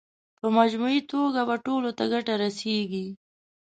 په مجموعي توګه به ټولو ته ګټه رسېږي.